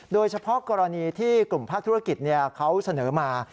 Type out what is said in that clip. โดยเฉพาะกรณีที่กลุ่มภาคธุรกิจเขาเสนอมา